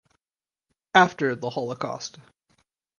After the holocaust.